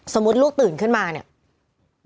ลูกตื่นขึ้นมาเนี่ย